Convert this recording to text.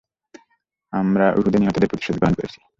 আমরা উহুদে নিহতদের প্রতিশোধ গ্রহণ করেছি।